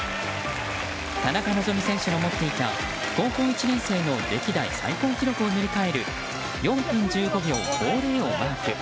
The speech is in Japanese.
田中希実選手が持っていた高校１年生の歴代最高記録を塗り替える４分１５秒５０をマーク。